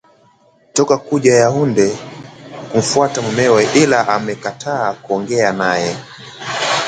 Toko kuja Yaounde kumfuata mumewe ila amekataa kuongea naye